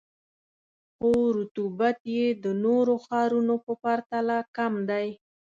خو رطوبت یې د نورو ښارونو په پرتله کم دی.